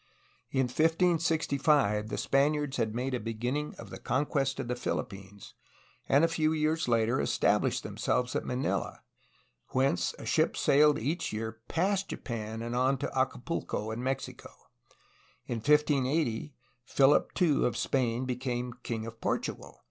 In 1565 the Spaniards had made a beginning of the conquest of the PhiUppines, and a few years later established themselves at Manila, whence a ship sailed each year past Japan and on to Acapulco in Mexico. In 1580 Philip II of Spain became king of Portugal.